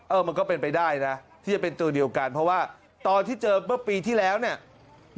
มันก็เป็นไปได้นะที่จะเป็นตัวเดียวกันเพราะว่าตอนที่เจอเมื่อปีที่แล้วเนี่ย